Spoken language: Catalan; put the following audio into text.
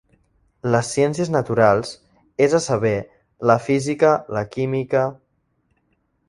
Les ciències naturals, és a saber, la física, la química,...